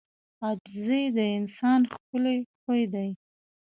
• عاجزي د انسان ښکلی خوی دی.